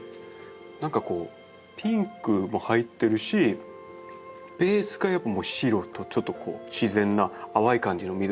何かこうピンクも入ってるしベースがやっぱ白とちょっとこう自然な淡い感じの緑も。